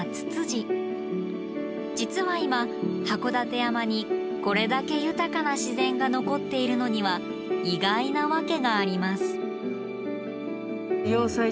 実は今函館山にこれだけ豊かな自然が残っているのには意外な訳があります。